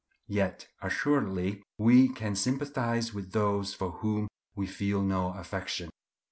Yet assuredly we can sympathize with those for whom we feel no affection.